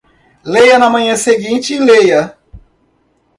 Leia na manhã seguinte e leia